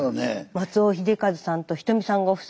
松尾秀和さんと仁美さんご夫妻。